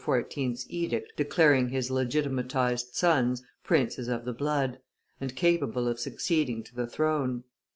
's edict declaring his legitimatized sons princes of the blood, and capable of succeeding to the throne.